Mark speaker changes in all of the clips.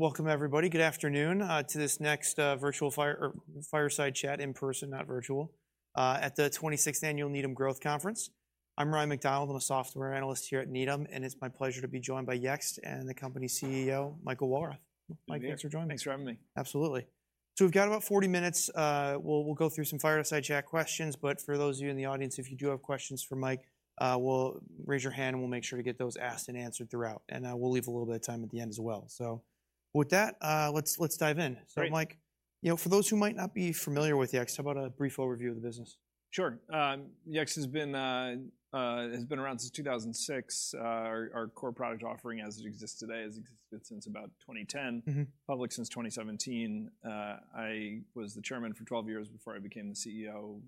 Speaker 1: Welcome, everybody. Good afternoon, to this next, virtual fire, or fireside chat in person, not virtual, at the 26th Annual Needham Growth Conference. I'm Ryan MacDonald, I'm a software analyst here at Needham, and it's my pleasure to be joined by Yext and the company CEO, Michael Walrath. Michael, thanks for joining us.
Speaker 2: Thanks for having me.
Speaker 1: Absolutely. So we've got about 40 minutes. We'll go through some fireside chat questions, but for those of you in the audience, if you do have questions for Mike, well, raise your hand, and we'll make sure to get those asked and answered throughout, and we'll leave a little bit of time at the end as well. So with that, let's dive in.
Speaker 2: Great.
Speaker 1: So Mike, you know, for those who might not be familiar with Yext, how about a brief overview of the business?
Speaker 2: Sure. Yext has been around since 2006. Our core product offering, as it exists today, has existed since about 2010.
Speaker 1: Mm-hmm.
Speaker 2: Public since 2017. I was the Chairman for 12 years before I became the CEO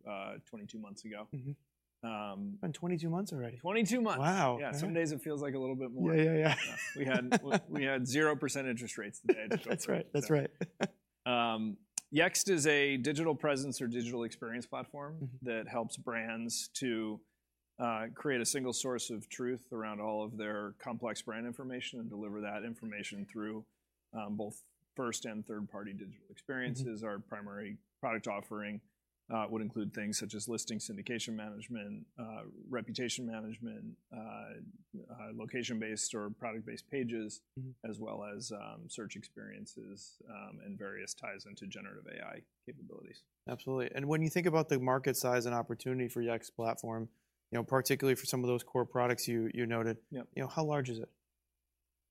Speaker 2: 22 months ago.
Speaker 1: Mm-hmm.
Speaker 2: Um-
Speaker 1: It's been 22 months already.
Speaker 2: Twenty-two months.
Speaker 1: Wow!
Speaker 2: Yeah, some days it feels like a little bit more.
Speaker 1: Yeah, yeah, yeah.
Speaker 2: We had 0% interest rates the day I took the-
Speaker 1: That's right. That's right.
Speaker 2: Yext is a digital presence or digital experience platform-
Speaker 1: Mm-hmm
Speaker 2: That helps brands to create a single source of truth around all of their complex brand information and deliver that information through both first and third-party digital experiences.
Speaker 1: Mm-hmm.
Speaker 2: Our primary product offering would include things such as Listings, Syndication Management, Reputation Management, Location-Based or Product-Based Pages-
Speaker 1: Mm-hmm
Speaker 2: As well as, search experiences, and various ties into generative AI capabilities.
Speaker 1: Absolutely. When you think about the market size and opportunity for Yext platform, you know, particularly for some of those core products you noted-
Speaker 2: Yeah
Speaker 1: You know, how large is it?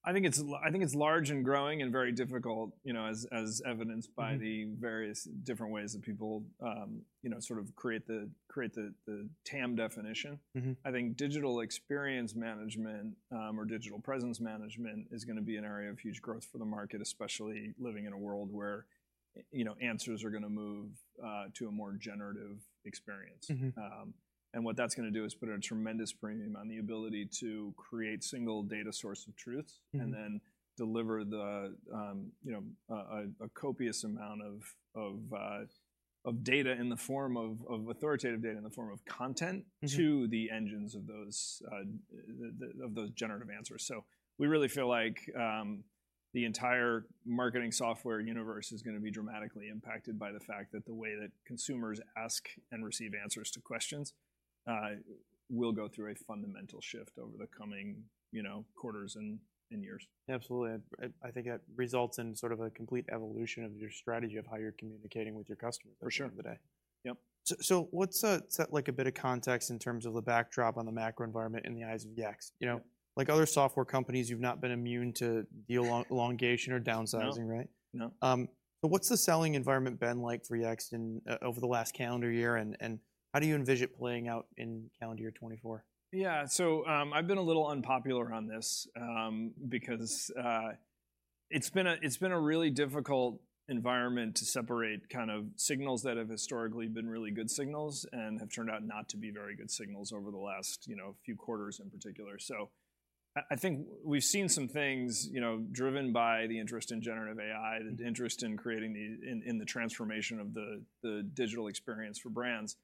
Speaker 2: I think it's large and growing and very difficult, you know, as evidenced by the-
Speaker 1: Mm-hmm
Speaker 2: Various different ways that people, you know, sort of create the TAM definition.
Speaker 1: Mm-hmm.
Speaker 2: I think digital experience management, or digital presence management is gonna be an area of huge growth for the market, especially living in a world where, you know, answers are gonna move to a more generative experience.
Speaker 1: Mm-hmm.
Speaker 2: What that's gonna do is put a tremendous premium on the ability to create single data source of truths-
Speaker 1: Mm-hmm
Speaker 2: And then deliver the, you know, a copious amount of data in the form of authoritative data, in the form of content-
Speaker 1: Mm-hmm
Speaker 2: To the engines of those generative answers. So we really feel like the entire marketing software universe is gonna be dramatically impacted by the fact that the way that consumers ask and receive answers to questions will go through a fundamental shift over the coming, you know, quarters and years.
Speaker 1: Absolutely. I think that results in sort of a complete evolution of your strategy of how you're communicating with your customers-
Speaker 2: For sure
Speaker 1: Today.
Speaker 2: Yep.
Speaker 1: So, so what's set like a bit of context in terms of the backdrop on the macro environment in the eyes of Yext? You know, like other software companies, you've not been immune to deal elongation or downsizing, right?
Speaker 2: No.
Speaker 1: What's the selling environment been like for Yext in over the last calendar year, and how do you envision it playing out in calendar year 2024?
Speaker 2: Yeah, so, I've been a little unpopular on this, because it's been a really difficult environment to separate kind of signals that have historically been really good signals and have turned out not to be very good signals over the last, you know, few quarters in particular. So I think we've seen some things, you know, driven by the interest in Generative AI, the interest in creating the in the transformation of the, the digital experience for brands,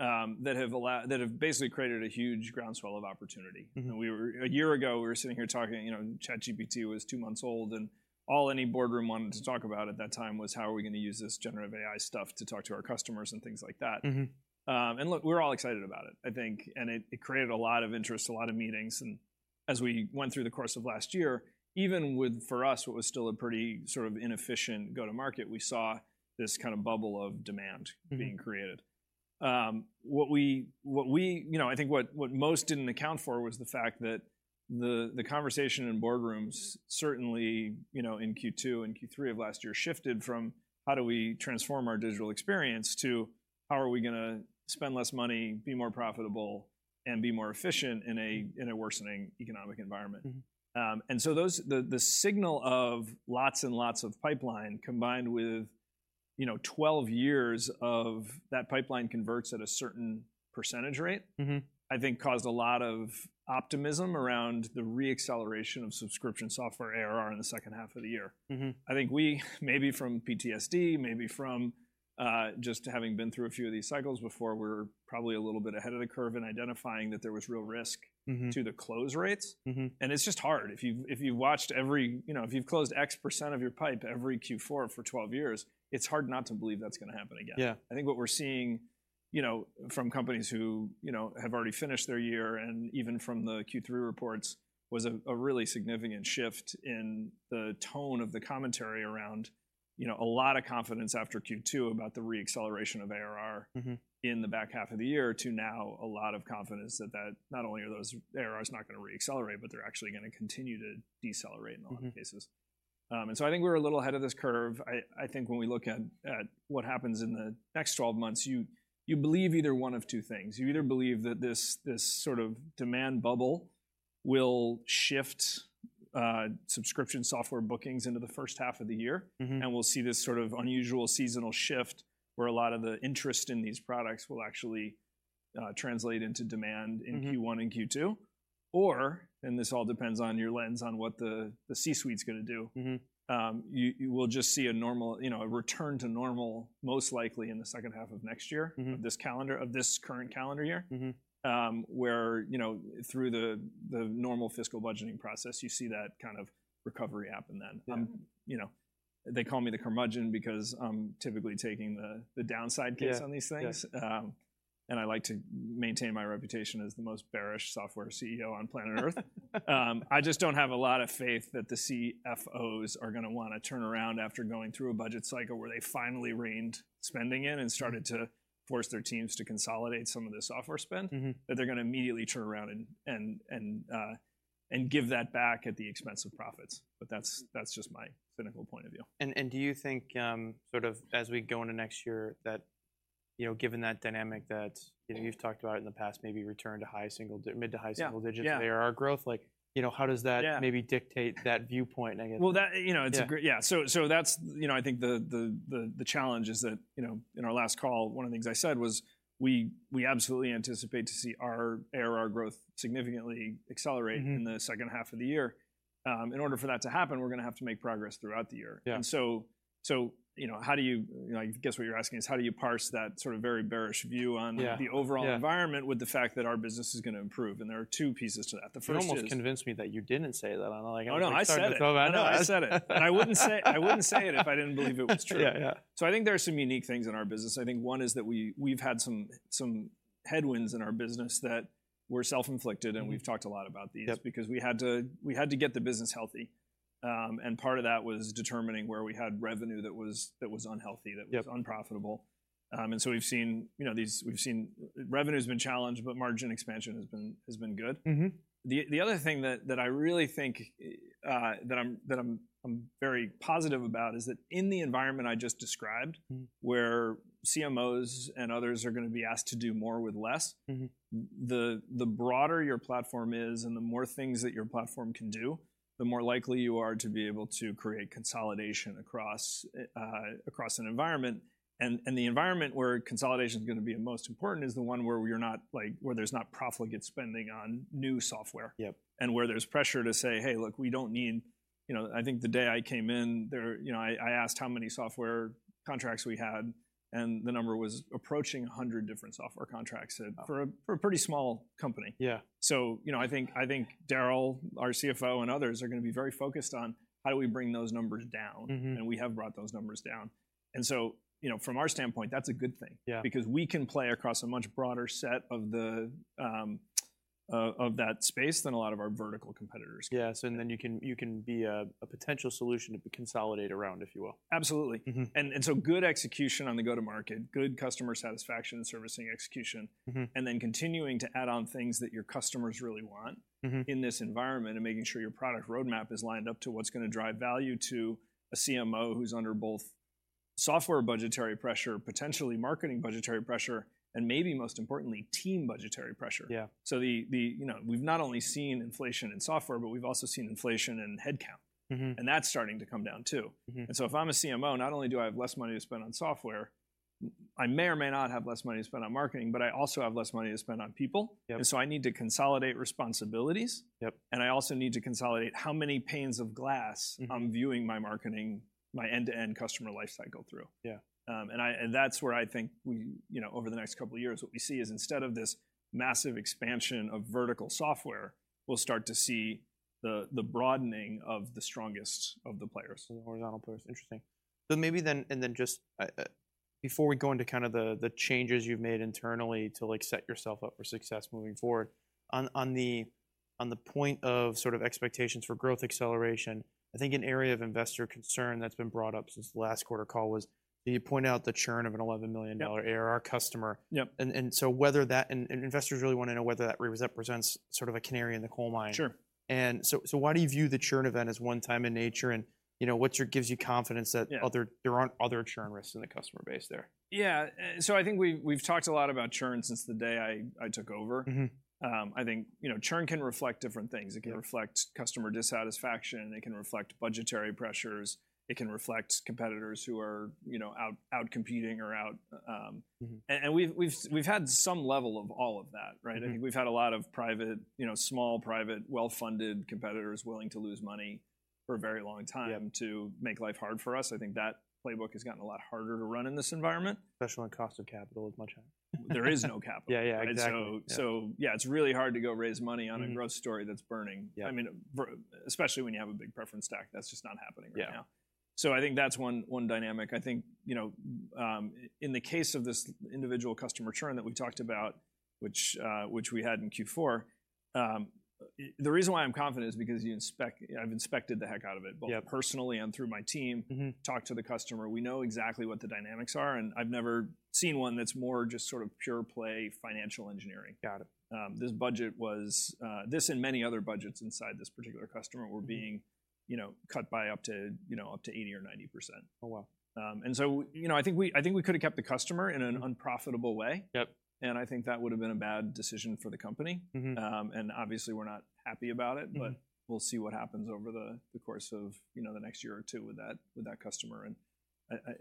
Speaker 2: that have basically created a huge groundswell of opportunity.
Speaker 1: Mm-hmm.
Speaker 2: A year ago, we were sitting here talking, you know, ChatGPT was two months old, and all any boardroom wanted to talk about at that time was: How are we gonna use this generative AI stuff to talk to our customers? And things like that.
Speaker 1: Mm-hmm.
Speaker 2: And look, we're all excited about it, I think, and it, it created a lot of interest, a lot of meetings. And as we went through the course of last year, even with, for us, what was still a pretty sort of inefficient Go-to-Market, we saw this kind of bubble of demand-
Speaker 1: Mm-hmm
Speaker 2: Being created. You know, I think what most didn't account for was the fact that the conversation in boardrooms, certainly, you know, in Q2 and Q3 of last year, shifted from, "How do we transform our digital experience?" to, "How are we gonna spend less money, be more profitable, and be more efficient in a worsening economic environment?
Speaker 1: Mm-hmm.
Speaker 2: And so those, the signal of lots and lots of pipeline combined with, you know, 12 years of that pipeline converts at a certain percentage rate-
Speaker 1: Mm-hmm
Speaker 2: I think caused a lot of optimism around the re-acceleration of subscription software ARR in the second half of the year.
Speaker 1: Mm-hmm.
Speaker 2: I think we, maybe from PTSD, maybe from just having been through a few of these cycles before, we're probably a little bit ahead of the curve in identifying that there was real risk.
Speaker 1: Mm-hmm
Speaker 2: To the close rates.
Speaker 1: Mm-hmm.
Speaker 2: It's just hard. If you've watched every, you know, if you've closed X% of your pipe every Q4 for 12 years, it's hard not to believe that's gonna happen again.
Speaker 1: Yeah.
Speaker 2: I think what we're seeing, you know, from companies who, you know, have already finished their year, and even from the Q3 reports, was a really significant shift in the tone of the commentary around, you know, a lot of confidence after Q2 about the re-acceleration of ARR-
Speaker 1: Mm-hmm
Speaker 2: In the back half of the year, to now a lot of confidence that not only are those ARRs not gonna reaccelerate, but they're actually gonna continue to decelerate-
Speaker 1: Mm-hmm
Speaker 2: In a lot of cases. And so I think we're a little ahead of this curve. I think when we look at what happens in the next 12 months, you believe either one of two things. You either believe that this sort of demand bubble will shift subscription software bookings into the first half of the year-
Speaker 1: Mm-hmm
Speaker 2: And we'll see this sort of unusual seasonal shift, where a lot of the interest in these products will actually translate into demand in Q1.
Speaker 1: Mm-hmm
Speaker 2: And Q2, or, and this all depends on your lens on what the C-suite's gonna do-
Speaker 1: Mm-hmm
Speaker 2: You will just see a normal, you know, a return to normal, most likely in the second half of next year.
Speaker 1: Mm-hmm
Speaker 2: Of this calendar, of this current calendar year.
Speaker 1: Mm-hmm.
Speaker 2: Where, you know, through the normal fiscal budgeting process, you see that kid of recovery happen then.
Speaker 1: Mm-hmm.
Speaker 2: You know, they call me the curmudgeon because I'm typically taking the downside case-
Speaker 1: Yeah
Speaker 2: On these things.
Speaker 1: Yeah.
Speaker 2: I like to maintain my reputation as the most bearish software CEO on planet Earth. I just don't have a lot of faith that the CFOs are gonna wanna turn around after going through a budget cycle where they finally reined spending in and started to force their teams to consolidate some of the software spend.
Speaker 1: Mm-hmm.
Speaker 2: That they're gonna immediately turn around and give that back at the expense of profits, but that's just my cynical point of view.
Speaker 1: Do you think, sort of as we go into next year, that, you know, given that dynamic that, you know, you've talked about in the past, maybe return to high single mid to high single digits?
Speaker 2: Yeah, yeah
Speaker 1: ARR growth. Like, you know, how does that-
Speaker 2: Yeah
Speaker 1: Maybe dictate that viewpoint, I guess?
Speaker 2: Well, that, you know, it's a great-
Speaker 1: Yeah.
Speaker 2: Yeah. So that's, you know, I think the challenge is that, you know, in our last call, one of the things I said was, "We absolutely anticipate to see our ARR growth significantly accelerate-
Speaker 1: Mm-hmm
Speaker 2: In the second half of the year." In order for that to happen, we're gonna have to make progress throughout the year.
Speaker 1: Yeah.
Speaker 2: You know, how do you. You know, I guess what you're asking is, how do you parse that sort of very bearish view on-
Speaker 1: Yeah
Speaker 2: The overall environment-
Speaker 1: Yeah
Speaker 2: With the fact that our business is gonna improve? There are two pieces to that. The first is-
Speaker 1: You almost convinced me that you didn't say that, and I like, "Oh no-
Speaker 2: Oh, no, I said it!
Speaker 1: I thought about that.
Speaker 2: I know, I said it. And I wouldn't say, I wouldn't say it if I didn't believe it was true.
Speaker 1: Yeah, yeah.
Speaker 2: I think there are some unique things in our business. I think one is that we, we've had some, some headwinds in our business that were self-inflicted, and we've talked a lot about these.
Speaker 1: Yep.
Speaker 2: Because we had to, we had to get the business healthy. And part of that was determining where we had revenue that was, that was unhealthy-
Speaker 1: Yep
Speaker 2: That was unprofitable. And so we've seen, you know, revenue's been challenged, but margin expansion has been good.
Speaker 1: Mm-hmm.
Speaker 2: The other thing that I really think that I'm very positive about is that in the environment I just described-
Speaker 1: Mm
Speaker 2: Where CMOs and others are gonna be asked to do more with less-
Speaker 1: Mm-hmm
Speaker 2: The broader your platform is and the more things that your platform can do, the more likely you are to be able to create consolidation across an environment. And the environment where consolidation is gonna be the most important is the one where we are not, like, where there's not profligate spending on new software.
Speaker 1: Yep.
Speaker 2: Where there's pressure to say, "Hey, look, we don't need..." You know, I think the day I came in there, you know, I asked how many software contracts we had, and the number was approaching 100 different software contracts-
Speaker 1: Wow
Speaker 2: For a pretty small company.
Speaker 1: Yeah.
Speaker 2: So, you know, I think, I think Darryl, our CFO, and others are gonna be very focused on: How do we bring those numbers down?
Speaker 1: Mm-hmm.
Speaker 2: We have brought those numbers down. And so, you know, from our standpoint, that's a good thing-
Speaker 1: Yeah
Speaker 2: Because we can play across a much broader set of that space than a lot of our vertical competitors.
Speaker 1: Yes, and then you can be a potential solution to consolidate around, if you will.
Speaker 2: Absolutely.
Speaker 1: Mm-hmm.
Speaker 2: And so good execution on the go-to-market, good customer satisfaction and servicing execution-
Speaker 1: Mm-hmm
Speaker 2: And then continuing to add on things that your customers really want-
Speaker 1: Mm-hmm
Speaker 2: In this environment and making sure your product roadmap is lined up to what's gonna drive value to a CMO who's under both software budgetary pressure, potentially marketing budgetary pressure, and maybe most importantly, team budgetary pressure.
Speaker 1: Yeah.
Speaker 2: So, you know, we've not only seen inflation in software, but we've also seen inflation in headcount.
Speaker 1: Mm-hmm.
Speaker 2: And that's starting to come down, too.
Speaker 1: Mm-hmm.
Speaker 2: And so if I'm a CMO, not only do I have less money to spend on software, I may or may not have less money to spend on marketing, but I also have less money to spend on people.
Speaker 1: Yep.
Speaker 2: I need to consolidate responsibilities.
Speaker 1: Yep.
Speaker 2: And I also need to consolidate how many panes of glass-
Speaker 1: Mm-hmm
Speaker 2: I'm viewing my marketing, my end-to-end customer life cycle through.
Speaker 1: Yeah.
Speaker 2: And that's where I think we, you know, over the next couple of years, what we see is instead of this massive expansion of vertical software, we'll start to see the broadening of the strongest of the players.
Speaker 1: The horizontal players. Interesting. So maybe then, and then just, before we go into kind of the changes you've made internally to, like, set yourself up for success moving forward. On the point of sort of expectations for growth acceleration, I think an area of investor concern that's been brought up since the last quarter call was, you point out the churn of an $11 million ARR customer.
Speaker 2: Yep.
Speaker 1: And so whether that. And investors really want to know whether that represents sort of a canary in the coal mine.
Speaker 2: Sure.
Speaker 1: And so, so why do you view the churn event as one time in nature, and, you know, what's your gives you confidence that-
Speaker 2: Yeah
Speaker 1: Other, there aren't other churn risks in the customer base there?
Speaker 2: Yeah, so I think we've talked a lot about churn since the day I took over.
Speaker 1: Mm-hmm.
Speaker 2: I think, you know, churn can reflect different things.
Speaker 1: Yeah.
Speaker 2: It can reflect customer dissatisfaction, it can reflect budgetary pressures, it can reflect competitors who are, you know, outcompeting or out-
Speaker 1: Mm-hmm.
Speaker 2: We've had some level of all of that, right?
Speaker 1: Mm-hmm.
Speaker 2: I think we've had a lot of private, you know, small, private, well-funded competitors willing to lose money for a very long time-
Speaker 1: Yep
Speaker 2: To make life hard for us. I think that playbook has gotten a lot harder to run in this environment.
Speaker 1: Especially on cost of capital, as much as.
Speaker 2: There is no capital.
Speaker 1: Yeah, yeah, exactly.
Speaker 2: And so-
Speaker 1: Yeah
Speaker 2: So yeah, it's really hard to go raise money on-
Speaker 1: Mm
Speaker 2: A growth story that's burning.
Speaker 1: Yeah.
Speaker 2: I mean, especially when you have a big preference stack, that's just not happening right now.
Speaker 1: Yeah.
Speaker 2: So I think that's one dynamic. I think, you know, in the case of this individual customer churn that we talked about, which we had in Q4, the reason why I'm confident is because you inspect. I've inspected the heck out of it-
Speaker 1: Yeah
Speaker 2: Both personally and through my team.
Speaker 1: Mm-hmm.
Speaker 2: Talked to the customer. We know exactly what the dynamics are, and I've never seen one that's more just sort of pure play financial engineering.
Speaker 1: Got it.
Speaker 2: This budget was, this and many other budgets inside this particular customer were being-
Speaker 1: Mm
Speaker 2: You know, cut by up to, you know, up to 80% or 90%.
Speaker 1: Oh, wow.
Speaker 2: And so, you know, I think we, I think we could've kept the customer in an unprofitable way.
Speaker 1: Yep.
Speaker 2: I think that would've been a bad decision for the company.
Speaker 1: Mm-hmm.
Speaker 2: Obviously, we're not happy about it.
Speaker 1: Mm
Speaker 2: But we'll see what happens over the course of, you know, the next year or two with that customer. And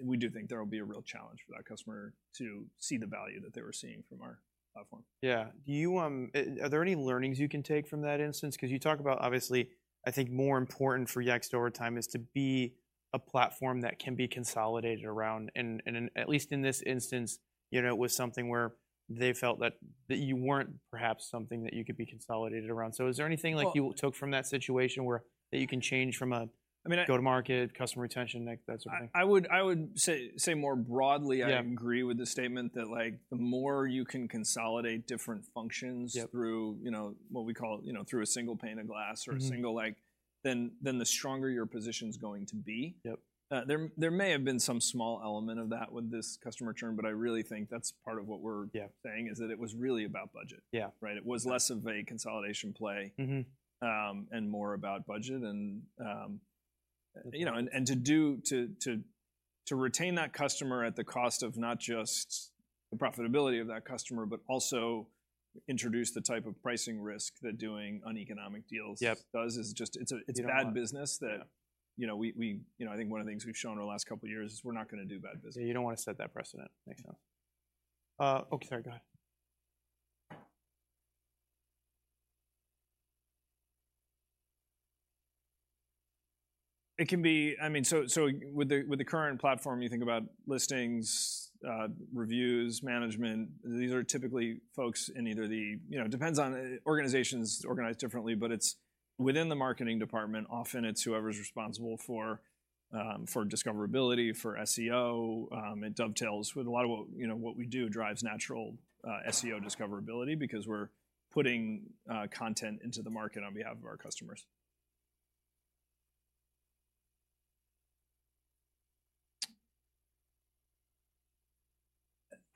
Speaker 2: we do think there will be a real challenge for that customer to see the value that they were seeing from our platform.
Speaker 1: Yeah. Do you, are there any learnings you can take from that instance? 'Cause you talk about, obviously, I think more important for Yext over time is to be a platform that can be consolidated around. And, in at least in this instance, you know, it was something where they felt that you weren't perhaps something that you could be consolidated around. So is there anything like-
Speaker 2: Well-
Speaker 1: You took from that situation where, that you can change from a
Speaker 2: I mean,
Speaker 1: go-to-market, customer retention, like that sort of thing?
Speaker 2: I would say more broadly-
Speaker 1: Yeah
Speaker 2: I agree with the statement that, like, the more you can consolidate different functions-
Speaker 1: Yep
Speaker 2: Through, you know, what we call, you know, through a single pane of glass or-
Speaker 1: Mm-hmm
Speaker 2: A single, like, then the stronger your position's going to be.
Speaker 1: Yep.
Speaker 2: There may have been some small element of that with this customer churn, but I really think that's part of what we're—
Speaker 1: Yeah
Speaker 2: Saying, is that it was really about budget.
Speaker 1: Yeah.
Speaker 2: Right? It was less of a consolidation play-
Speaker 1: Mm-hmm
Speaker 2: And more about budget. And, you know, and to do to retain that customer at the cost of not just the profitability of that customer, but also introduce the type of pricing risk that doing uneconomic deals-
Speaker 1: Yep
Speaker 2: It's just a-
Speaker 1: You don't want.
Speaker 2: It's bad business that-
Speaker 1: Yeah
Speaker 2: You know, we, you know, I think one of the things we've shown over the last couple of years is we're not gonna do bad business.
Speaker 1: Yeah, you don't wanna set that precedent. Makes sense. Okay, sorry, go ahead.
Speaker 2: It can be. I mean, so, so with the, with the current platform, you think about listings, reviews, management, these are typically folks in either the... You know, it depends on, organizations organize differently, but it's within the marketing department. Often, it's whoever's responsible for, for discoverability, for SEO. It dovetails with a lot of what, you know, what we do drives natural, SEO discoverability because we're putting, content into the market on behalf of our customers.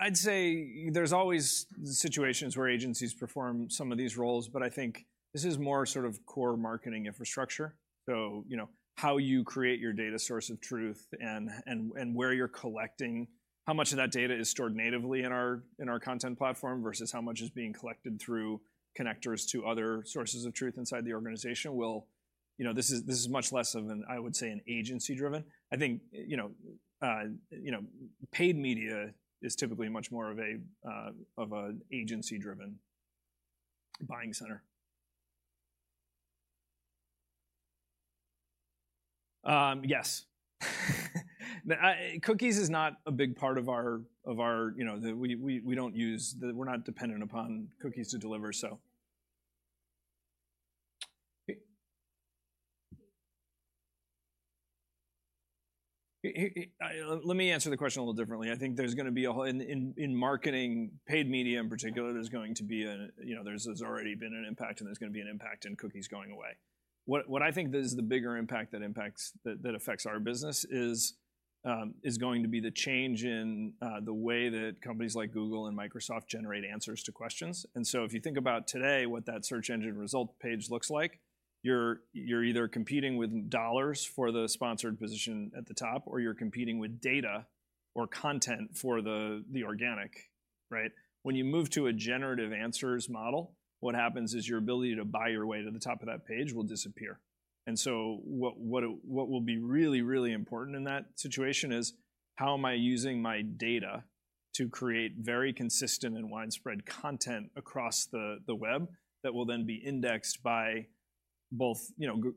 Speaker 2: I'd say there's always situations where agencies perform some of these roles, but I think this is more sort of core marketing infrastructure. So, you know, how you create your data source of truth and where you're collecting, how much of that data is stored natively in our content platform versus how much is being collected through connectors to other sources of truth inside the organization will. You know, this is much less of an, I would say, an agency-driven. I think, you know, paid media is typically much more of a agency-driven buying center. Yes. The cookies is not a big part of our. We don't use. We're not dependent upon cookies to deliver, so. Okay. Let me answer the question a little differently. I think there's gonna be a whole in marketing, paid media in particular, there's going to be a, you know, there's already been an impact, and there's gonna be an impact in cookies going away. What I think is the bigger impact that affects our business is going to be the change in the way that companies like Google and Microsoft generate answers to questions. And so if you think about today, what that search engine result page looks like, you're either competing with dollars for the sponsored position at the top, or you're competing with data or content for the organic, right? When you move to a generative answers model, what happens is your ability to buy your way to the top of that page will disappear. And so what will be really, really important in that situation is, how am I using my data to create very consistent and widespread content across the web, that will then be indexed by both, you know,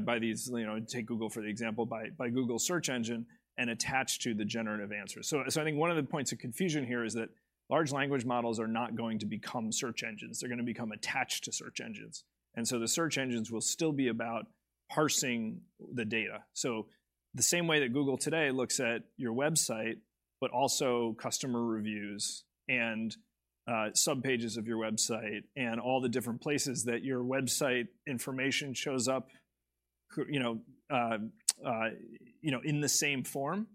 Speaker 2: by these, you know, take Google for the example, by Google search engine and attached to the generative answers? So I think one of the points of confusion here is that large language models are not going to become search engines. They're gonna become attached to search engines. And so the search engines will still be about parsing the data. So the same way that Google today looks at your website, but also customer reviews and subpages of your website and all the different places that your website information shows up, you know, in the same form,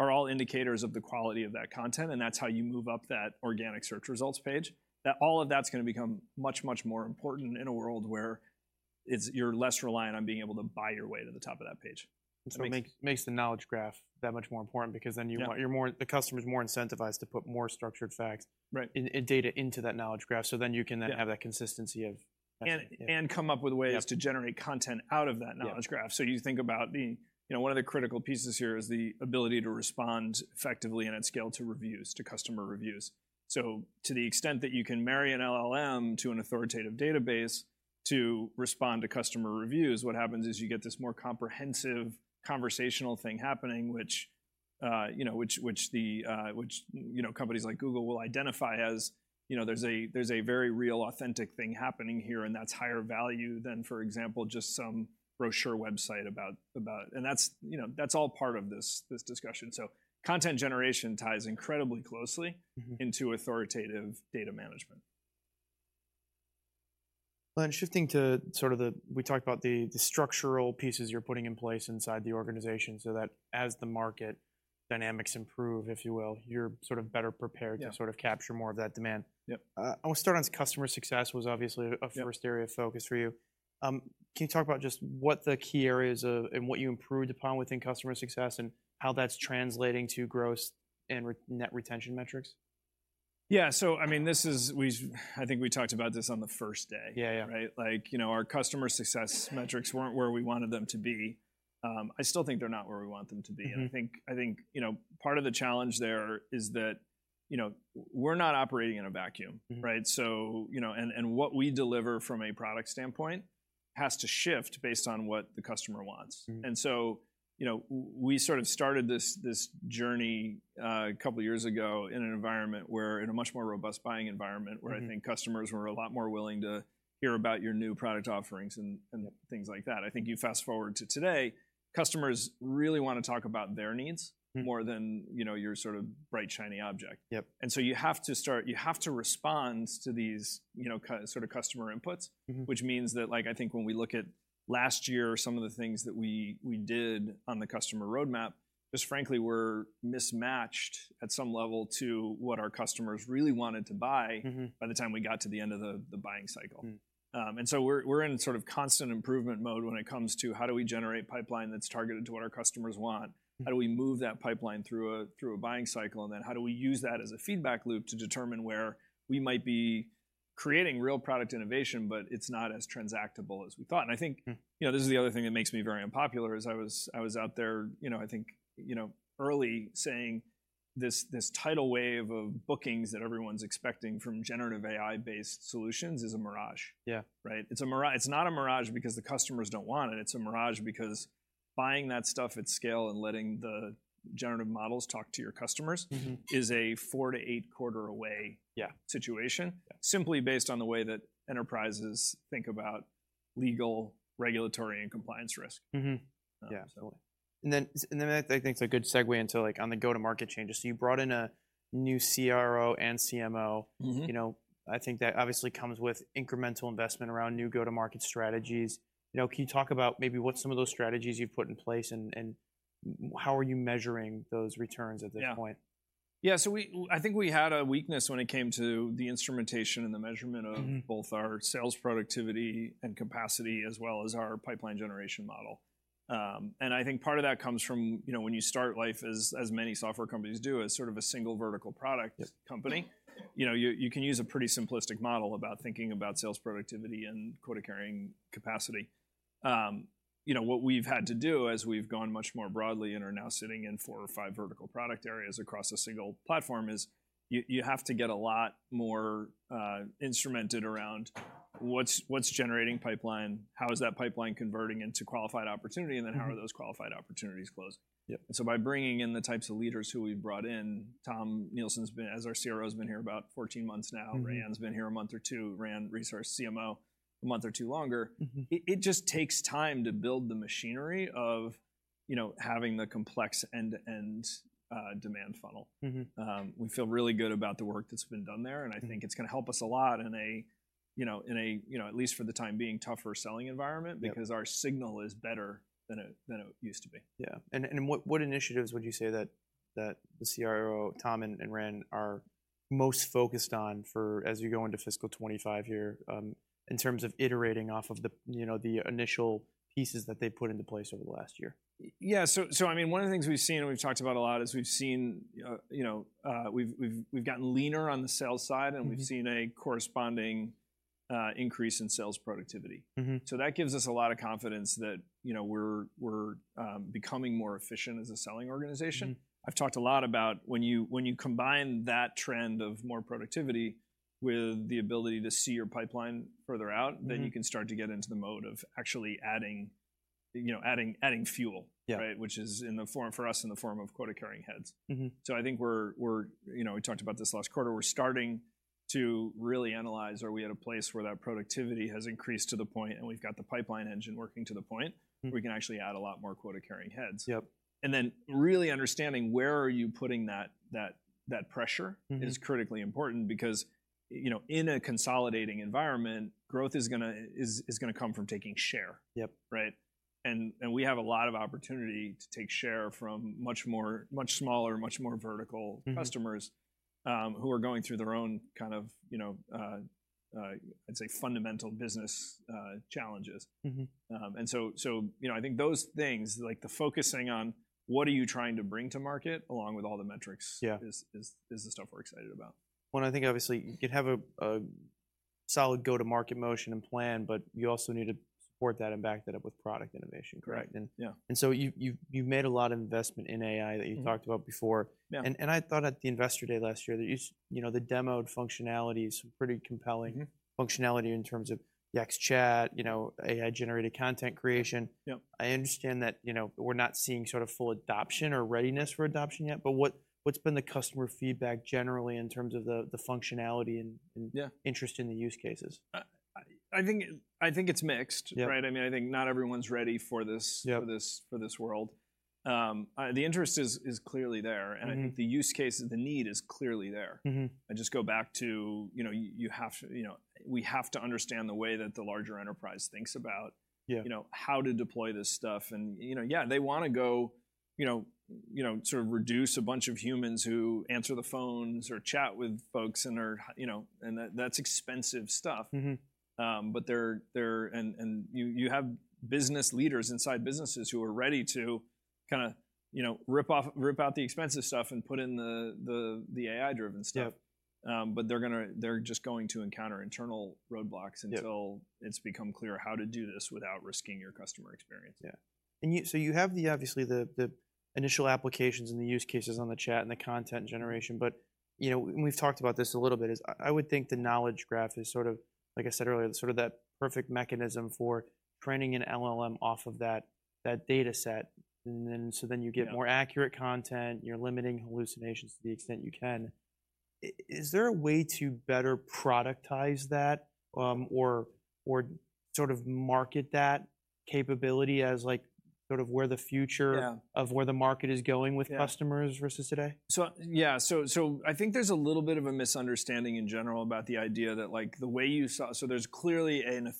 Speaker 2: are all indicators of the quality of that content, and that's how you move up that organic search results page. That all of that's gonna become much, much more important in a world where you're less reliant on being able to buy your way to the top of that page. So-
Speaker 1: It makes the Knowledge Graph that much more important because then you-
Speaker 2: Yeah
Speaker 1: The customer is more incentivized to put more structured facts-
Speaker 2: Right
Speaker 1: In data into that Knowledge Graph, so then you can then-
Speaker 2: Yeah
Speaker 1: Have that consistency of... Yeah.
Speaker 2: come up with ways-
Speaker 1: Yeah
Speaker 2: To generate content out of that Knowledge Graph.
Speaker 1: Yeah.
Speaker 2: So you think about, you know, one of the critical pieces here is the ability to respond effectively and at scale to reviews, to customer reviews. So to the extent that you can marry an LLM to an authoritative database to respond to customer reviews, what happens is you get this more comprehensive, conversational thing happening, which, you know, companies like Google will identify as, you know, there's a very real, authentic thing happening here, and that's higher value than, for example, just some brochure website about. And that's, you know, that's all part of this discussion. So content generation ties incredibly closely-
Speaker 1: Mm-hmm
Speaker 2: Into authoritative data management.
Speaker 1: Shifting to sort of the. We talked about the structural pieces you're putting in place inside the organization so that as the market dynamics improve, if you will, you're sort of better prepared-
Speaker 2: Yeah
Speaker 1: To sort of capture more of that demand.
Speaker 2: Yep.
Speaker 1: I want to start on customer success was obviously-
Speaker 2: Yeah
Speaker 1: A first area of focus for you. Can you talk about just what the key areas of, and what you improved upon within customer success, and how that's translating to gross and net retention metrics?
Speaker 2: Yeah. So I mean, I think we talked about this on the first day.
Speaker 1: Yeah, yeah.
Speaker 2: Right? Like, you know, our customer success metrics weren't where we wanted them to be. I still think they're not where we want them to be.
Speaker 1: Mm-hmm.
Speaker 2: I think, you know, part of the challenge there is that, you know, we're not operating in a vacuum.
Speaker 1: Mm-hmm.
Speaker 2: Right? So, you know, and what we deliver from a product standpoint has to shift based on what the customer wants.
Speaker 1: Mm-hmm.
Speaker 2: And so, you know, we sort of started this journey a couple years ago in an environment where, in a much more robust buying environment-
Speaker 1: Mm-hmm
Speaker 2: Where I think customers were a lot more willing to hear about your new product offerings and things like that. I think you fast-forward to today, customers really want to talk about their needs-
Speaker 1: Mm-hmm
Speaker 2: More than, you know, your sort of bright, shiny object.
Speaker 1: Yep.
Speaker 2: And so you have to respond to these, you know, sort of customer inputs.
Speaker 1: Mm-hmm.
Speaker 2: Which means that, like, I think when we look at last year, some of the things that we did on the customer roadmap, just frankly were mismatched at some level to what our customers really wanted to buy-
Speaker 1: Mm-hmm
Speaker 2: By the time we got to the end of the buying cycle.
Speaker 1: Mm.
Speaker 2: And so we're in sort of constant improvement mode when it comes to how do we generate pipeline that's targeted to what our customers want?
Speaker 1: Mm.
Speaker 2: How do we move that pipeline through a buying cycle, and then how do we use that as a feedback loop to determine where we might be creating real product innovation, but it's not as transactable as we thought? And I think-
Speaker 1: Mm
Speaker 2: You know, this is the other thing that makes me very unpopular, is I was, I was out there, you know, I think, you know, early, saying, this, this tidal wave of bookings that everyone's expecting from Generative AI-based solutions is a mirage.
Speaker 1: Yeah.
Speaker 2: Right? It's not a mirage because the customers don't want it. It's a mirage because buying that stuff at scale and letting the generative models talk to your customers-
Speaker 1: Mm-hmm
Speaker 2: Is a four to eight quarter away-
Speaker 1: Yeah
Speaker 2: Situation.
Speaker 1: Yeah.
Speaker 2: Simply based on the way that enterprises think about legal, regulatory, and compliance risk.
Speaker 1: Mm-hmm. Yeah.
Speaker 2: Absolutely.
Speaker 1: I think it's a good segue into, like, on the go-to-market changes. So you brought in a new CRO and CMO.
Speaker 2: Mm-hmm.
Speaker 1: You know, I think that obviously comes with incremental investment around new go-to-market strategies. You know, can you talk about maybe what some of those strategies you've put in place and how are you measuring those returns at this point?
Speaker 2: Yeah. Yeah, so we, I think we had a weakness when it came to the instrumentation and the measurement of-
Speaker 1: Mm-hmm
Speaker 2: Both our sales productivity and capacity, as well as our pipeline generation model. And I think part of that comes from, you know, when you start life as many software companies do, as sort of a single vertical product-
Speaker 1: Yeah
Speaker 2: Company. You know, you can use a pretty simplistic model about thinking about sales productivity and quota-carrying capacity. You know, what we've had to do as we've gone much more broadly and are now sitting in four or five vertical product areas across a single platform, is you have to get a lot more instrumented around what's generating pipeline, how is that pipeline converting into qualified opportunity-
Speaker 1: Mm
Speaker 2: And then how are those qualified opportunities closed?
Speaker 1: Yep.
Speaker 2: So by bringing in the types of leaders who we've brought in, Tom Nielsen's been, as our CRO, has been here about 14 months now.
Speaker 1: Mm-hmm.
Speaker 2: Raianne's been here a month or two. Raianne, our CMO, a month or two longer.
Speaker 1: Mm-hmm.
Speaker 2: It just takes time to build the machinery of, you know, having the complex end-to-end demand funnel.
Speaker 1: Mm-hmm.
Speaker 2: We feel really good about the work that's been done there, and I-
Speaker 1: Mm
Speaker 2: Think it's gonna help us a lot in a, you know, at least for the time being, tougher selling environment-
Speaker 1: Yep
Speaker 2: Because our signal is better than it used to be.
Speaker 1: Yeah. And what initiatives would you say that the CRO, Tom and Raianne, are most focused on for as you go into fiscal 2025 here, in terms of iterating off of the, you know, the initial pieces that they've put into place over the last year?
Speaker 2: Yeah, so I mean, one of the things we've seen and we've talked about a lot is we've seen, you know, we've gotten leaner on the sales side-
Speaker 1: Mm-hmm
Speaker 2: And we've seen a corresponding increase in sales productivity.
Speaker 1: Mm-hmm.
Speaker 2: So that gives us a lot of confidence that, you know, we're becoming more efficient as a selling organization.
Speaker 1: Mm.
Speaker 2: I've talked a lot about when you combine that trend of more productivity with the ability to see your pipeline further out-
Speaker 1: Mm
Speaker 2: Then you can start to get into the mode of actually adding, you know, adding fuel.
Speaker 1: Yeah.
Speaker 2: Right? Which is in the form, for us, in the form of quota-carrying heads.
Speaker 1: Mm-hmm.
Speaker 2: So I think we're. You know, we talked about this last quarter. We're starting to really analyze, are we at a place where that productivity has increased to the point, and we've got the pipeline engine working to the point-
Speaker 1: Mm
Speaker 2: We can actually add a lot more quota-carrying heads?
Speaker 1: Yep.
Speaker 2: And then really understanding where are you putting that pressure-
Speaker 1: Mm-hmm
Speaker 2: Is critically important because, you know, in a consolidating environment, growth is gonna come from taking share.
Speaker 1: Yep.
Speaker 2: Right? And, and we have a lot of opportunity to take share from much more, much more vertical-
Speaker 1: Mm-hmm
Speaker 2: Customers who are going through their own kind of, you know, I'd say fundamental business challenges.
Speaker 1: Mm-hmm.
Speaker 2: So, you know, I think those things, like the focusing on what are you trying to bring to market, along with all the metrics-
Speaker 1: Yeah
Speaker 2: Is the stuff we're excited about.
Speaker 1: Well, and I think obviously you could have a solid go-to-market motion and plan, but you also need to support that and back that up with product innovation, correct?
Speaker 2: Yeah.
Speaker 1: And so you've made a lot of investment in AI that you-
Speaker 2: Mm
Speaker 1: Talked about before.
Speaker 2: Yeah.
Speaker 1: And I thought at the Investor Day last year that you know, the demoed functionality is pretty compelling-
Speaker 2: Mm
Speaker 1: Functionality in terms of Yext Chat, you know, AI-generated content creation.
Speaker 2: Yep.
Speaker 1: I understand that, you know, we're not seeing sort of full adoption or readiness for adoption yet, but what, what's been the customer feedback generally in terms of the, the functionality and, and-
Speaker 2: Yeah
Speaker 1: Interest in the use cases?
Speaker 2: I think it's mixed.
Speaker 1: Yeah.
Speaker 2: Right? I mean, I think not everyone's ready for this-
Speaker 1: Yep
Speaker 2: For this world. The interest is clearly there, and-
Speaker 1: Mm-hmm
Speaker 2: I think the use case and the need is clearly there.
Speaker 1: Mm-hmm.
Speaker 2: I just go back to, you know, you have to, you know... We have to understand the way that the larger enterprise thinks about-
Speaker 1: Yeah
Speaker 2: You know, how to deploy this stuff. And, you know, yeah, they wanna go, you know, you know, sort of reduce a bunch of humans who answer the phones or chat with folks and are you know, and that, that's expensive stuff.
Speaker 1: Mm-hmm.
Speaker 2: But they're. And you have business leaders inside businesses who are ready to kinda, you know, rip out the expensive stuff and put in the AI-driven stuff.
Speaker 1: Yep.
Speaker 2: But they're just going to encounter internal roadblocks-
Speaker 1: Yep
Speaker 2: Until it's become clear how to do this without risking your customer experience.
Speaker 1: Yeah. And so you have, obviously, the initial applications and the use cases on the chat and the content generation, but, you know, and we've talked about this a little bit, I would think the Knowledge Graph is sort of, like I said earlier, sort of that perfect mechanism for training an LLM off of that data set, and then so you get-
Speaker 2: Yeah
Speaker 1: More accurate content, you're limiting hallucinations to the extent you can. Is there a way to better productize that, or sort of market that capability as, like, sort of where the future-
Speaker 2: Yeah
Speaker 1: Of where the market is going with-
Speaker 2: Yeah
Speaker 1: Customers versus today?
Speaker 2: So, I think there's a little bit of a misunderstanding in general about the idea that, like, the way you saw. So there's clearly an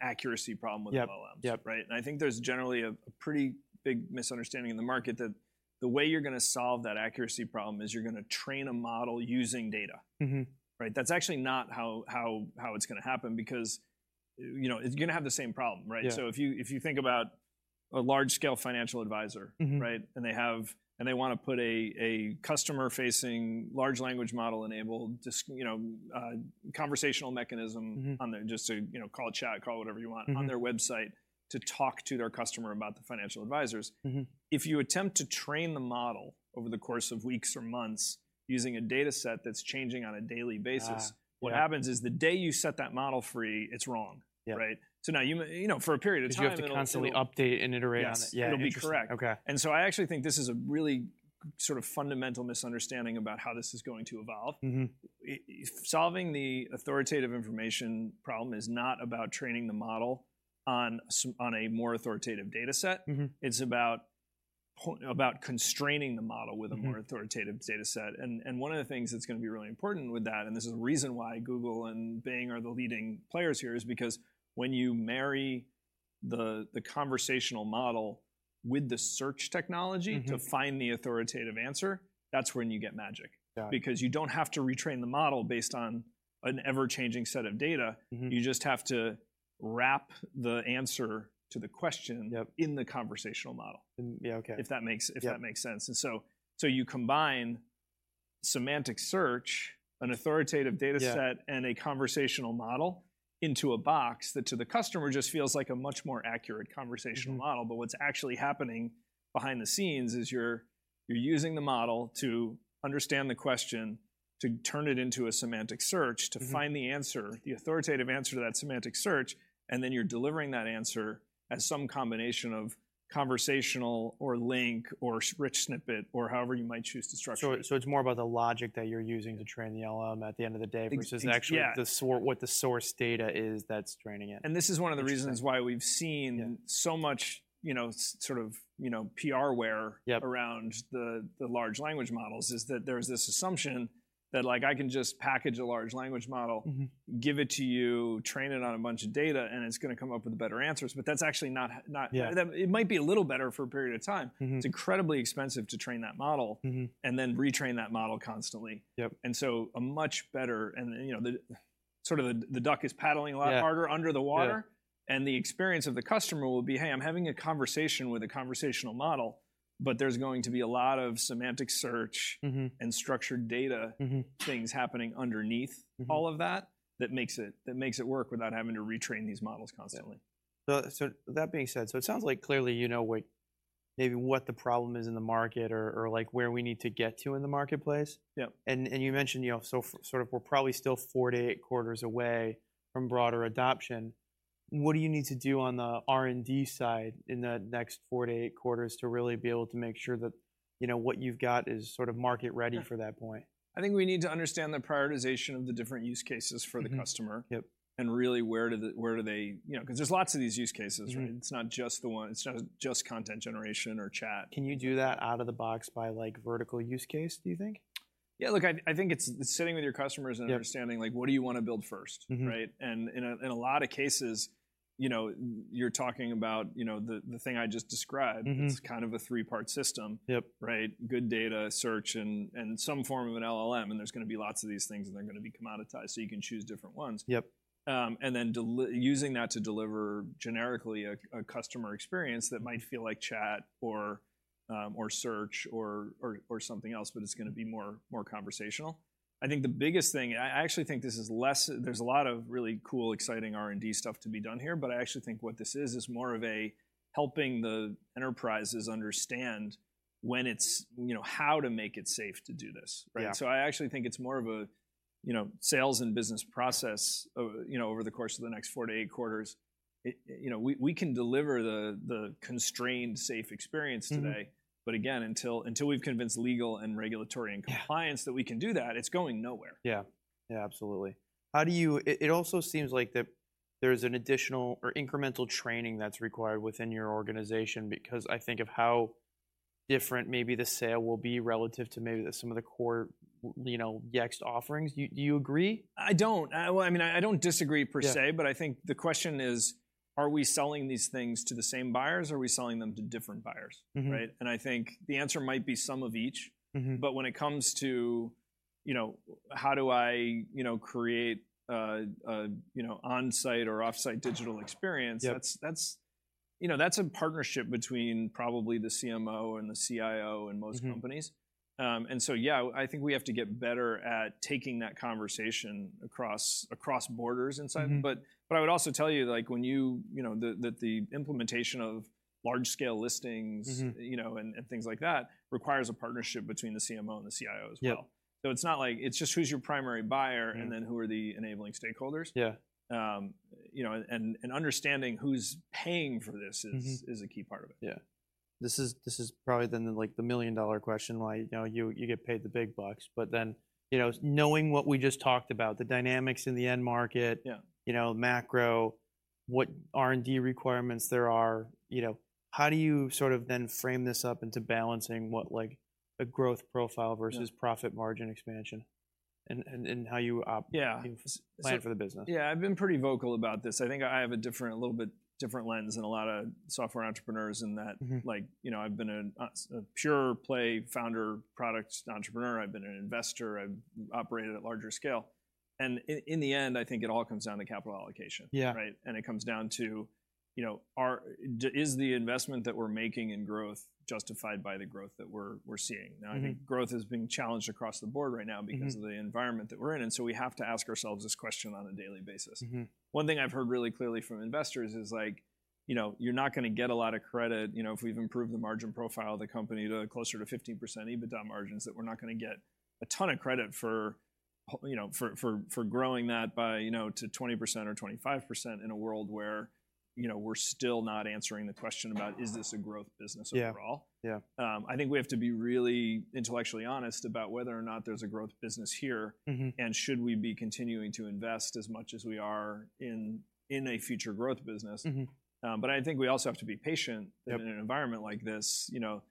Speaker 2: accuracy problem with LLMs.
Speaker 1: Yep, yep.
Speaker 2: Right? And I think there's generally a pretty big misunderstanding in the market that the way you're gonna solve that accuracy problem is you're gonna train a model using data.
Speaker 1: Mm-hmm.
Speaker 2: Right? That's actually not how it's gonna happen because, you know, it's gonna have the same problem, right?
Speaker 1: Yeah.
Speaker 2: So if you, if you think about a large-scale financial advisor-
Speaker 1: Mm-hmm
Speaker 2: Right, and they wanna put a customer-facing, large language model-enabled, you know, conversational mechanism-
Speaker 1: Mm-hmm
Speaker 2: On there just to, you know, call it chat, call it whatever you want-
Speaker 1: Mm-hmm
Speaker 2: On their website to talk to their customer about the financial advisors.
Speaker 1: Mm-hmm.
Speaker 2: If you attempt to train the model over the course of weeks or months using a data set that's changing on a daily basis-
Speaker 1: Ah, yeah
Speaker 2: What happens is the day you set that model free, it's wrong.
Speaker 1: Yeah.
Speaker 2: Right? So now, you know, for a period of time, it'll still-
Speaker 1: 'Cause you have to constantly update and iterate on it.
Speaker 2: Yes.
Speaker 1: Yeah, interesting.
Speaker 2: It'll be correct.
Speaker 1: Okay.
Speaker 2: And so I actually think this is a really sort of fundamental misunderstanding about how this is going to evolve.
Speaker 1: Mm-hmm.
Speaker 2: Solving the authoritative information problem is not about training the model on a more authoritative data set.
Speaker 1: Mm-hmm.
Speaker 2: It's about constraining the model with a more-
Speaker 1: Mm-hmm
Speaker 2: Authoritative data set. And one of the things that's gonna be really important with that, and this is the reason why Google and Bing are the leading players here, is because when you marry the conversational model with the search technology-
Speaker 1: Mm-hmm
Speaker 2: To find the authoritative answer, that's when you get magic.
Speaker 1: Yeah.
Speaker 2: Because you don't have to retrain the model based on an ever-changing set of data.
Speaker 1: Mm-hmm.
Speaker 2: You just have to wrap the answer to the question-
Speaker 1: Yep
Speaker 2: In the conversational model.
Speaker 1: Yeah, okay.
Speaker 2: If that makes-
Speaker 1: Yeah
Speaker 2: If that makes sense. So you combine semantic search, an authoritative data set-
Speaker 1: Yeah
Speaker 2: And a conversational model into a box that to the customer just feels like a much more accurate conversational model.
Speaker 1: Mm-hmm.
Speaker 2: But what's actually happening behind the scenes is you're using the model to understand the question, to turn it into a semantic search-
Speaker 1: Mm-hmm
Speaker 2: To find the answer, the authoritative answer to that semantic search, and then you're delivering that answer as some combination of conversational or link or rich snippet or however you might choose to structure it.
Speaker 1: So it's more about the logic that you're using to train the LLM at the end of the day-
Speaker 2: It's, yeah.
Speaker 1: Versus actually what the source data is that's training it.
Speaker 2: This is one of the reasons why we've seen-
Speaker 1: Yeah
Speaker 2: So much, you know, sort of, you know, PR ware-
Speaker 1: Yep
Speaker 2: Around the large language models is that there's this assumption that, like, I can just package a large language model-
Speaker 1: Mm-hmm
Speaker 2: Give it to you, train it on a bunch of data, and it's gonna come up with better answers. But that's actually not
Speaker 1: Yeah
Speaker 2: It might be a little better for a period of time.
Speaker 1: Mm-hmm.
Speaker 2: It's incredibly expensive to train that model-
Speaker 1: Mm-hmm
Speaker 2: And then retrain that model constantly.
Speaker 1: Yep.
Speaker 2: And you know, the duck is paddling a lot harder-
Speaker 1: Yeah
Speaker 2: Under the water.
Speaker 1: Yeah.
Speaker 2: The experience of the customer will be, "Hey, I'm having a conversation with a conversational model," but there's going to be a lot of Semantic Search-
Speaker 1: Mm-hmm
Speaker 2: And Structured Data-
Speaker 1: Mm-hmm
Speaker 2: Things happening underneath-
Speaker 1: Mm-hmm
Speaker 2: All of that, that makes it, that makes it work without having to retrain these models constantly.
Speaker 1: Yeah. So that being said, it sounds like clearly you know what, maybe what the problem is in the market or like, where we need to get to in the marketplace.
Speaker 2: Yep.
Speaker 1: And you mentioned, you know, so sort of we're probably still four to eight quarters away from broader adoption. What do you need to do on the R&D side in the next four to eight quarters to really be able to make sure that, you know, what you've got is sort of market-ready for that point?
Speaker 2: I think we need to understand the prioritization of the different use cases for the customer.
Speaker 1: Mm-hmm. Yep.
Speaker 2: And really, where do the, where do they. You know, 'cause there's lots of these use cases, right?
Speaker 1: Mm-hmm.
Speaker 2: It's not just content generation or chat.
Speaker 1: Can you do that out of the box by, like, vertical use case, do you think?
Speaker 2: Yeah, look, I, I think it's, it's sitting with your customers-
Speaker 1: Yep
Speaker 2: And understanding, like, what do you wanna build first?
Speaker 1: Mm-hmm.
Speaker 2: Right? And in a lot of cases, you know, you're talking about, you know, the thing I just described.
Speaker 1: Mm-hmm.
Speaker 2: It's kind of a three-part system.
Speaker 1: Yep.
Speaker 2: Right? Good data, search, and some form of an LLM, and there's gonna be lots of these things, and they're gonna be commoditized, so you can choose different ones.
Speaker 1: Yep.
Speaker 2: And then using that to deliver generically a customer experience that might feel like chat or search or something else, but it's gonna be more conversational. I think the biggest thing... I actually think this is. There's a lot of really cool, exciting R&D stuff to be done here, but I actually think what this is is more of a helping the enterprises understand when it's, you know, how to make it safe to do this, right?
Speaker 1: Yeah.
Speaker 2: So I actually think it's more of a, you know, sales and business process, you know, over the course of the next 4-8 quarters. It, you know, we can deliver the constrained, safe experience today.
Speaker 1: Mm-hmm.
Speaker 2: But again, until we've convinced legal and regulatory and compliance-
Speaker 1: Yeah
Speaker 2: That we can do that, it's going nowhere.
Speaker 1: Yeah. Yeah, absolutely. How do you. It also seems like that there's an additional or incremental training that's required within your organization, because I think of how different maybe the sale will be relative to maybe the, some of the core, you know, Yext offerings. Do you agree?
Speaker 2: I don't. Well, I mean, I don't disagree per se-
Speaker 1: Yeah
Speaker 2: But I think the question is, are we selling these things to the same buyers, or are we selling them to different buyers?
Speaker 1: Mm-hmm.
Speaker 2: Right? I think the answer might be some of each.
Speaker 1: Mm-hmm.
Speaker 2: When it comes to, you know, how do I, you know, create, you know, onsite or offsite digital experience-
Speaker 1: Yep
Speaker 2: You know, that's a partnership between probably the CMO and the CIO in most companies.
Speaker 1: Mm-hmm.
Speaker 2: And so yeah, I think we have to get better at taking that conversation across borders inside.
Speaker 1: Mm-hmm.
Speaker 2: But I would also tell you, like, when you, you know, that the implementation of large-scale listings-
Speaker 1: Mm-hmm
Speaker 2: You know, and, and things like that, requires a partnership between the CMO and the CIO as well.
Speaker 1: Yep.
Speaker 2: So it's not like. It's just who's your primary buyer-
Speaker 1: Mm
Speaker 2: And then who are the enabling stakeholders?
Speaker 1: Yeah.
Speaker 2: You know, and understanding who's paying for this-
Speaker 1: Mm-hmm
Speaker 2: Is a key part of it.
Speaker 1: Yeah. This is probably then, like, the million-dollar question, why, you know, you get paid the big bucks. But then, you know, knowing what we just talked about, the dynamics in the end market-
Speaker 2: Yeah
Speaker 1: You know, macro, what R&D requirements there are, you know, how do you sort of then frame this up into balancing what, like, a growth profile-
Speaker 2: Yeah
Speaker 1: Versus profit margin expansion and how you op-
Speaker 2: Yeah
Speaker 1: Plan for the business?
Speaker 2: Yeah, I've been pretty vocal about this. I think I have a different, a little bit different lens than a lot of software entrepreneurs in that-
Speaker 1: Mm-hmm
Speaker 2: Like, you know, I've been a pure play founder, product entrepreneur, I've been an investor, I've operated at larger scale. And in the end, I think it all comes down to capital allocation.
Speaker 1: Yeah.
Speaker 2: Right? And it comes down to, you know, is the investment that we're making in growth justified by the growth that we're, we're seeing?
Speaker 1: Mm-hmm.
Speaker 2: Now, I think growth is being challenged across the board right now.
Speaker 1: Mm-hmm
Speaker 2: Because of the environment that we're in, and so we have to ask ourselves this question on a daily basis.
Speaker 1: Mm-hmm.
Speaker 2: One thing I've heard really clearly from investors is, like, you know, you're not gonna get a lot of credit, you know, if we've improved the margin profile of the company to closer to 15% EBITDA margins, that we're not gonna get a ton of credit for, you know, for growing that by, you know, to 20% or 25% in a world where, you know, we're still not answering the question about is this a growth business overall?
Speaker 1: Yeah. Yeah.
Speaker 2: I think we have to be really intellectually honest about whether or not there's a growth business here.
Speaker 1: Mm-hmm.
Speaker 2: Should we be continuing to invest as much as we are in a future growth business?
Speaker 1: Mm-hmm.
Speaker 2: But I think we also have to be patient.
Speaker 1: Yep
Speaker 2: In an environment like this, you know,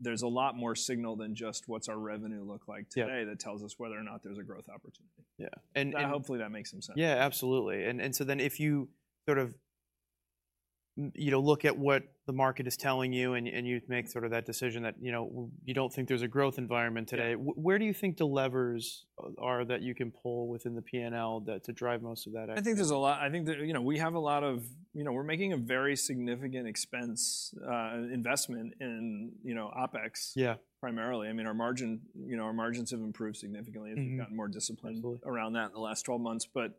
Speaker 2: there's a lot more signal than just what's our revenue look like today-
Speaker 1: Yeah
Speaker 2: That tells us whether or not there's a growth opportunity.
Speaker 1: Yeah, and
Speaker 2: Hopefully that makes some sense.
Speaker 1: Yeah, absolutely. And, and so then if you sort of, you know, look at what the market is telling you and, and you make sort of that decision that, you know, you don't think there's a growth environment today-
Speaker 2: Yeah
Speaker 1: Where do you think the levers are that you can pull within the P&L that, to drive most of that activity?
Speaker 2: I think there's a lot, I think there... You know, we have a lot of, you know, we're making a very significant expense, investment in, you know, OpEx-
Speaker 1: Yeah
Speaker 2: Primarily. I mean, our margin, you know, our margins have improved significantly-
Speaker 1: Mm-hmm
Speaker 2: As we've gotten more disciplined-
Speaker 1: Absolutely
Speaker 2: Around that in the last 12 months. But, you know,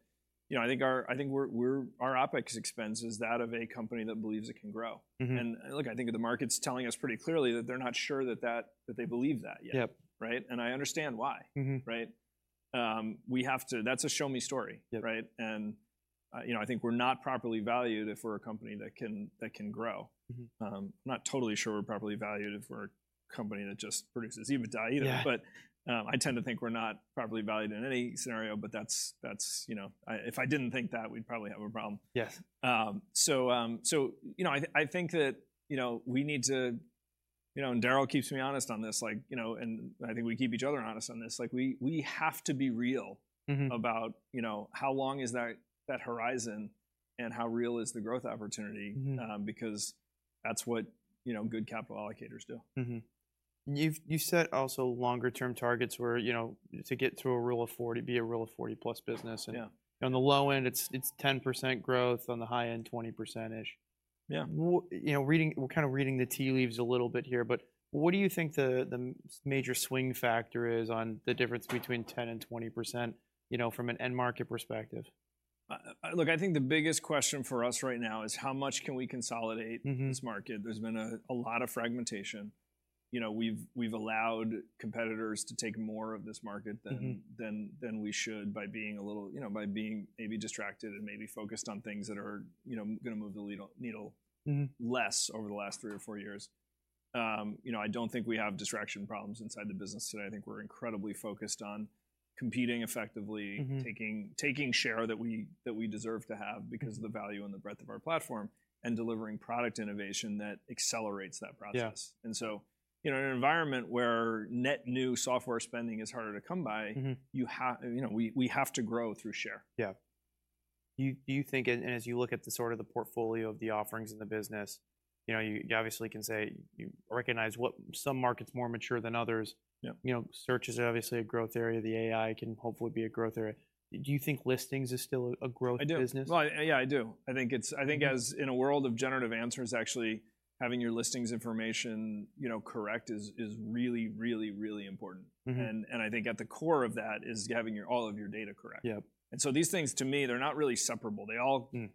Speaker 2: I think our OpEx expense is that of a company that believes it can grow.
Speaker 1: Mm-hmm.
Speaker 2: And look, I think the market's telling us pretty clearly that they're not sure that they believe that yet.
Speaker 1: Yep.
Speaker 2: Right? And I understand why.
Speaker 1: Mm-hmm.
Speaker 2: Right? We have to... That's a show me story.
Speaker 1: Yep.
Speaker 2: Right? And, you know, I think we're not properly valued if we're a company that can grow.
Speaker 1: Mm-hmm.
Speaker 2: Not totally sure we're properly valued if we're a company that just produces EBITDA either.
Speaker 1: Yeah.
Speaker 2: I tend to think we're not properly valued in any scenario, but that's, you know... If I didn't think that, we'd probably have a problem.
Speaker 1: Yes.
Speaker 2: So, you know, I, I think that, you know, we need to, you know, and Darryl keeps me honest on this, like, you know, and I think we keep each other honest on this, like, we, we have to be real-
Speaker 1: Mm-hmm
Speaker 2: About, you know, how long is that, that horizon, and how real is the growth opportunity?
Speaker 1: Mm-hmm
Speaker 2: Because that's what, you know, good capital allocators do.
Speaker 1: Mm-hmm. And you've, you've said also longer term targets where, you know, to get to a Rule of 40, be a Rule of 40-plus business, and-
Speaker 2: Yeah
Speaker 1: On the low end, it's 10% growth. On the high end, 20%-ish.
Speaker 2: Yeah.
Speaker 1: You know, we're kind of reading the tea leaves a little bit here, but what do you think the major swing factor is on the difference between 10%-20%, you know, from an end market perspective?
Speaker 2: Look, I think the biggest question for us right now is how much can we consolidate-
Speaker 1: Mm-hmm
Speaker 2: In this market? There's been a lot of fragmentation. You know, we've allowed competitors to take more of this market than-
Speaker 1: Mm-hmm
Speaker 2: Than we should by being a little, you know, by being maybe distracted and maybe focused on things that are, you know, gonna move the needle-
Speaker 1: Mm-hmm
Speaker 2: Less over the last three or four years. You know, I don't think we have distraction problems inside the business today. I think we're incredibly focused on competing effectively-
Speaker 1: Mm-hmm
Speaker 2: Taking share that we deserve to have because of the value and the breadth of our platform, and delivering product innovation that accelerates that process.
Speaker 1: Yeah.
Speaker 2: You know, in an environment where net new software spending is harder to come by-
Speaker 1: Mm-hmm
Speaker 2: You have, you know, we have to grow through share.
Speaker 1: Yeah. Do you think, and as you look at the sort of the portfolio of the offerings in the business, you know, you obviously can say you recognize what some markets more mature than others.
Speaker 2: Yep.
Speaker 1: You know, search is obviously a growth area. The AI can hopefully be a growth area. Do you think listings is still a growth business?
Speaker 2: I do. Well, yeah, I do. I think it's.
Speaker 1: Mm
Speaker 2: As in a world of generative answers, actually having your listings information, you know, correct is really, really, really important.
Speaker 1: Mm-hmm.
Speaker 2: I think at the core of that is having your, all of your data correct.
Speaker 1: Yep.
Speaker 2: And so these things, to me, they're not really separable. They all-
Speaker 1: Mm.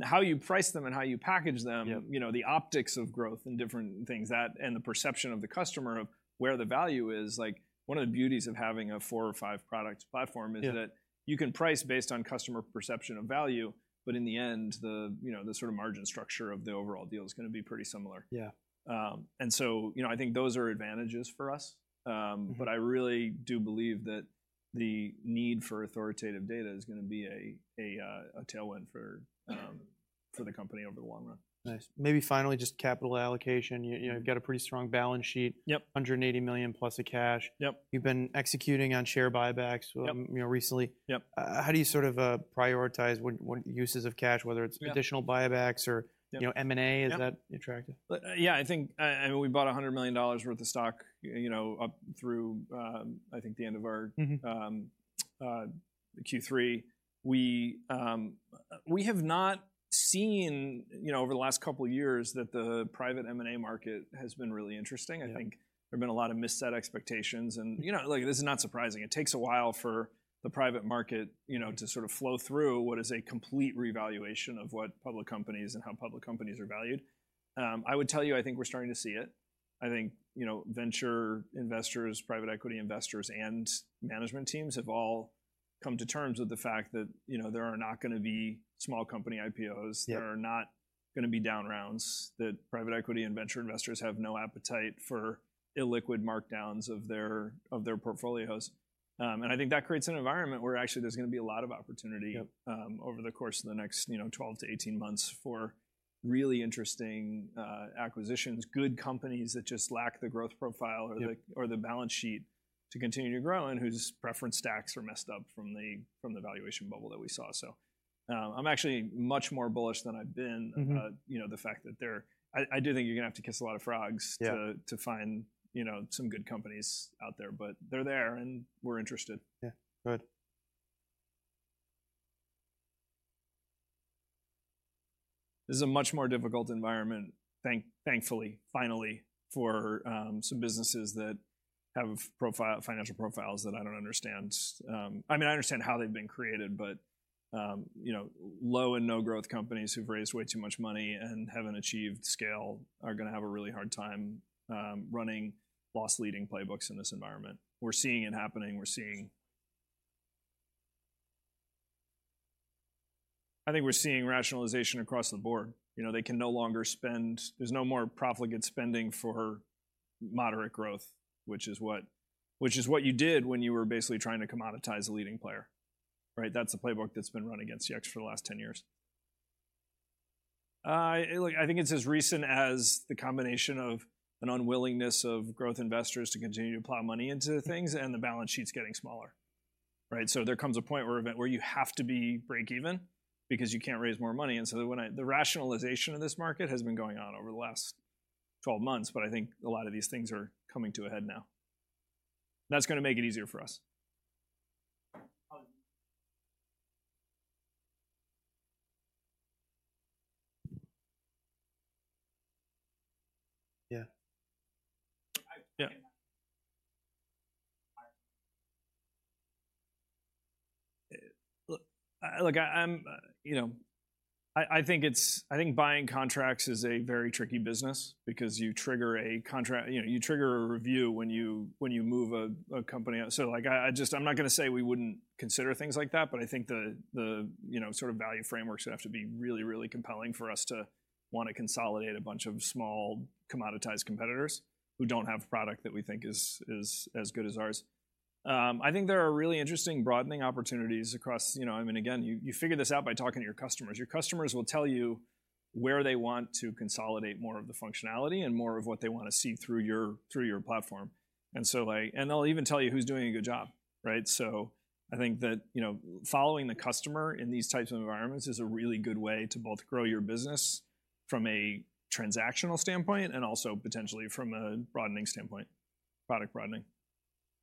Speaker 2: How you price them and how you package them-
Speaker 1: Yep
Speaker 2: You know, the optics of growth and different things, that and the perception of the customer of where the value is, like, one of the beauties of having a four- or five-product platform is-
Speaker 1: Yeah
Speaker 2: That you can price based on customer perception of value, but in the end, the, you know, the sort of margin structure of the overall deal is gonna be pretty similar.
Speaker 1: Yeah.
Speaker 2: And so, you know, I think those are advantages for us. But-
Speaker 1: Mm-hmm
Speaker 2: I really do believe that the need for authoritative data is gonna be a tailwind for the company over the long run.
Speaker 1: Nice. Maybe finally, just capital allocation. You, you know, you've got a pretty strong balance sheet.
Speaker 2: Yep.
Speaker 1: $180 million plus of cash.
Speaker 2: Yep.
Speaker 1: You've been executing on share buybacks-
Speaker 2: Yep
Speaker 1: You know, recently.
Speaker 2: Yep.
Speaker 1: How do you sort of prioritize what, what uses of cash, whether it's-
Speaker 2: Yeah
Speaker 1: Additional buybacks or-
Speaker 2: Yep
Speaker 1: You know, M&A-
Speaker 2: Yep
Speaker 1: Is that attractive?
Speaker 2: Yeah, I think, I mean, we bought $100 million worth of stock, you know, up through, I think the end of our-
Speaker 1: Mm-hmm
Speaker 2: Q3. We have not seen, you know, over the last couple years, that the private M&A market has been really interesting.
Speaker 1: Yeah.
Speaker 2: I think there have been a lot of misset expectations and, you know, like, this is not surprising. It takes a while for the private market, you know, to sort of flow through what is a complete revaluation of what public companies and how public companies are valued. I would tell you, I think we're starting to see it. I think, you know, venture investors, private equity investors, and management teams have all come to terms with the fact that, you know, there are not gonna be small company IPOs.
Speaker 1: Yeah.
Speaker 2: There are not gonna be down rounds, that private equity and venture investors have no appetite for illiquid markdowns of their, of their portfolios. And I think that creates an environment where actually there's gonna be a lot of opportunity-
Speaker 1: Yep
Speaker 2: Over the course of the next, you know, 12-18 months for really interesting acquisitions, good companies that just lack the growth profile-
Speaker 1: Yeah
Speaker 2: Or the balance sheet to continue to grow and whose preference stacks are messed up from the valuation bubble that we saw. So, I'm actually much more bullish than I've been-
Speaker 1: Mm-hmm
Speaker 2: You know, the fact that they're, I do think you're gonna have to kiss a lot of frogs-
Speaker 1: Yeah
Speaker 2: To find, you know, some good companies out there. But they're there, and we're interested.
Speaker 1: Yeah. Good.
Speaker 2: This is a much more difficult environment, thankfully, finally, for some businesses that have financial profiles that I don't understand. I mean, I understand how they've been created, but, you know, low and no growth companies who've raised way too much money and haven't achieved scale are gonna have a really hard time running loss-leading playbooks in this environment. We're seeing it happening, we're seeing. I think we're seeing rationalization across the board. You know, they can no longer spend. There's no more profligate spending for moderate growth, which is what, which is what you did when you were basically trying to commoditize a leading player, right? That's the playbook that's been run against ZI for the last 10 years. Like, I think it's as recent as the combination of an unwillingness of growth investors to continue to plow money into things, and the balance sheet's getting smaller, right? So there comes a point where you have to be break even because you can't raise more money. And so the rationalization of this market has been going on over the last 12 months, but I think a lot of these things are coming to a head now. That's gonna make it easier for us.
Speaker 1: Um... Yeah.
Speaker 2: Yeah. Look, I'm, you know... I think it's—I think buying contracts is a very tricky business because you trigger a contract, you know, you trigger a review when you move a company out. So, like, I just—I'm not gonna say we wouldn't consider things like that, but I think the, you know, sort of value frameworks would have to be really, really compelling for us to wanna consolidate a bunch of small, commoditized competitors who don't have product that we think is as good as ours. I think there are really interesting broadening opportunities across. You know, I mean, again, you figure this out by talking to your customers. Your customers will tell you where they want to consolidate more of the functionality and more of what they wanna see through your, through your platform. So, like, and they'll even tell you who's doing a good job, right? So I think that, you know, following the customer in these types of environments is a really good way to both grow your business from a transactional standpoint and also potentially from a broadening standpoint, product broadening.